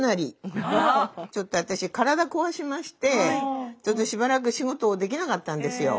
ちょっと私体壊しましてちょっとしばらく仕事をできなかったんですよ。